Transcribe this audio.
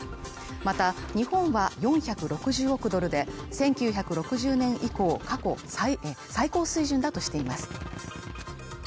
また、日本は４６０億ドルで、１９６０年以降、最高水準だとしています。